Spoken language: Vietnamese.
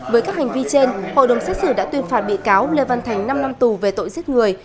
với các hành vi trên hội đồng xét xử đã tuyên phạt bị cáo lê văn thành năm năm tù về tội giết người